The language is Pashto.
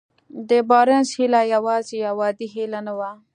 د بارنس هيله يوازې يوه عادي هيله نه وه.